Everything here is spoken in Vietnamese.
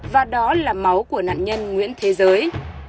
và đó là máu của nạn nhân nguyễn thế giới